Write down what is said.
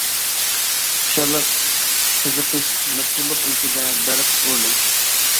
خۇشاللىق قىزىقىش، مەپتۇنلۇق ئىلكىدە بەرق ئۇردى.